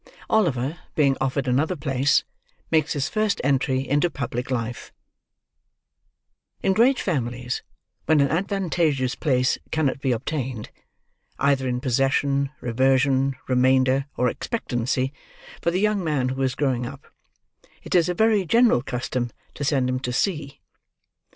OLIVER, BEING OFFERED ANOTHER PLACE, MAKES HIS FIRST ENTRY INTO PUBLIC LIFE In great families, when an advantageous place cannot be obtained, either in possession, reversion, remainder, or expectancy, for the young man who is growing up, it is a very general custom to send him to sea.